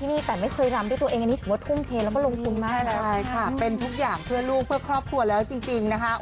แล้วก็ต้องแข็งแรกมากด้วยนะ